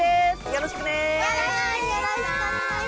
よろしくね。